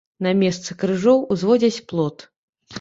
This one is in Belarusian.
На месцы крыжоў узводзяць плот.